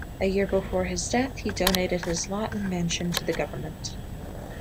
A year before his death, he donated his lot and mansion to the government.